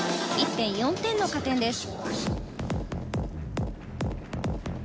１．４点の加点です。